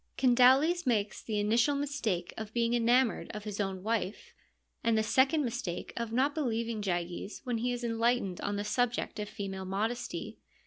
Candaules makes the initial mistake of being enamoured of his own wife, and the second mistake of not believing Gyges when he is enlightened on the subject of female modesty.